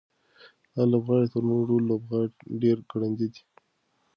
دا لوبغاړی تر نورو ټولو لوبغاړو ډېر ګړندی دی.